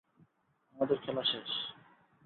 আমাদের খেলা শেষ।